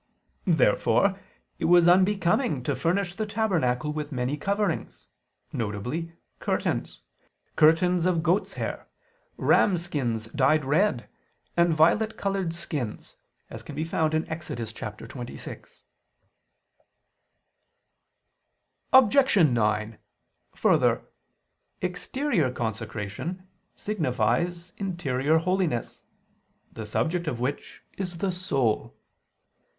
Therefore it was unbecoming to furnish the tabernacle with many coverings, viz. curtains, curtains of goats' hair, rams' skins dyed red, and violet colored skins (Ex. 26). Objection 9: Further, exterior consecration signifies interior holiness, the subject of which is the soul.